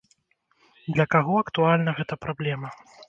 Для каго актуальна гэта праблема?